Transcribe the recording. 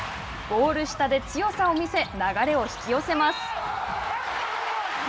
ゴール下で強さを見せ流れを引き寄せます。